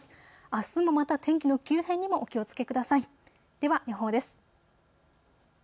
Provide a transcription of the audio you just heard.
あすもまた天気の急変にもお気をつけください。